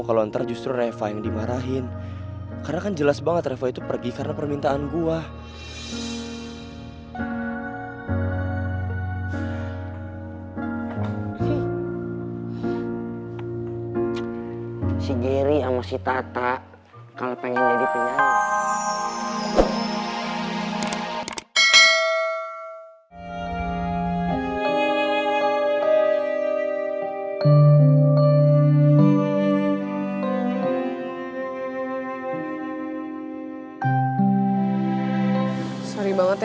karena gue lebih nyaman sahabatan sama lo